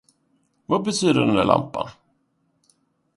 Vad betyder den där lampan?